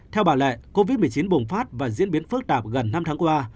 theo bà lệ covid một mươi chín bùng phát và diễn biến phức tạp gần năm tháng qua